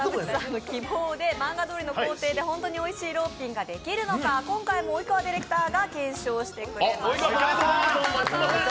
田渕さんの希望で漫画どおりにおいしいローピンができるのか今回も及川ディレクターが検証してくれましたる